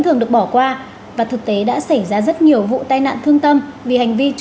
thường được bỏ qua và thực tế đã xảy ra rất nhiều vụ tai nạn thương tâm vì hành vi chủ quá này